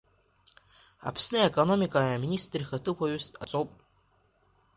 Аԥсны аекономика аминистр ихаҭыԥуаҩыс дҟаҵоуп…